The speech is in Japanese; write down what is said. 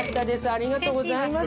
ありがとうございます。